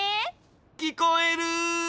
きこえる？